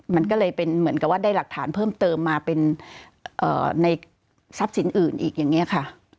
มันก็เลยเป็นเหมือนกับว่าได้หลักฐานเพิ่มเติมมาเป็นในทรัพย์สินอื่นอีกอย่างนี้ค่ะ